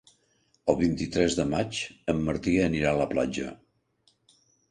El vint-i-tres de maig en Martí anirà a la platja.